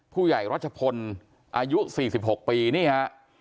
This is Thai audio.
ผู้ใหญ่รัชพลอายุ๔๖ปีนี่ฮะ